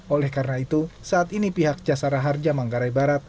oleh karena itu saat ini pihak jasara harja manggarai barat